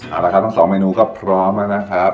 เอาละครับทั้งสองเมนูก็พร้อมแล้วนะครับ